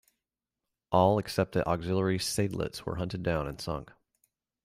All except the auxiliary "Seydlitz" were hunted down and sunk.